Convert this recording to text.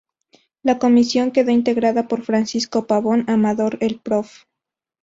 La comisión quedó integrada por Francisco Pavón Amador, el Prof.